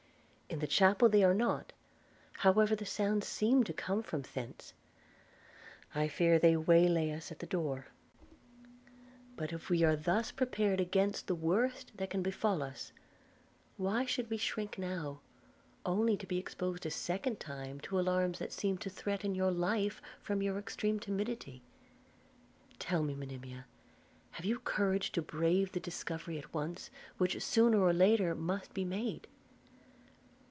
In the chapel they are not, however the sound seemed to come from thence. I fear they way lay us at the door. But if we are thus prepared against the worst that can befall us, why should we shrink now, only to be exposed a second time to alarms that seem to threaten your life, from your extreme timidity? Tell me, Monimia, have you courage to brave the discovery at once, which sooner or later must be made?'